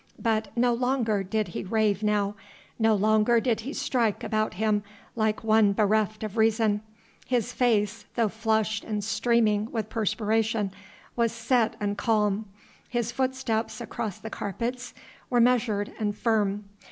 But no longer did he rave now, no longer did he strike about him like one bereft of reason. His face, though flushed and streaming with perspiration, was set and calm; his footsteps across the carpets were measured and firm.